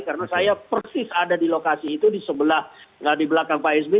karena saya persis ada di lokasi itu di sebelah di belakang pak sby